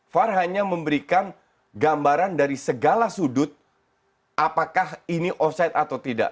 var hanya memberikan gambaran dari segala sudut apakah ini offside atau tidak